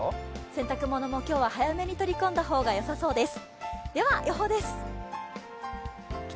洗濯物も今日は早めに取り込んだ方がよさそうです。